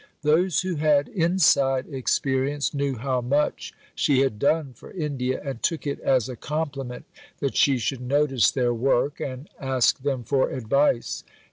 Those who had inside experience knew how much she had done for India, and took it as a compliment that she should notice their work and ask them for advice.